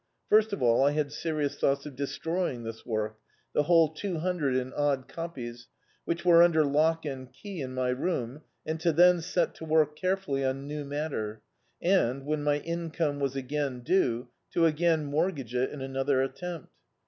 First of all I had serious thoughts of destroying this work — the whole two hundred and odd copies, which were imder lock and key in my room, and Co then set to work carefully on new matter, and, when my income was again due, to again mortgage it in another attempt.